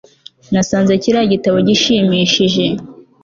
nasanze kiriya gitabo gishimishije